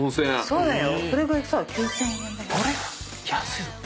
そうだね。